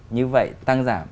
như vậy tăng giảm